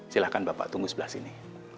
silahkan bapak tunggu sebelah sini